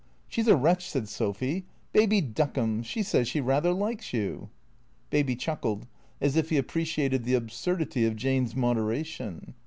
"She's a wretch," said Sophy. "Baby duckums, she says she rather likes you." Baby chuckled as if he appreciated the absurdity of Jane's moderation.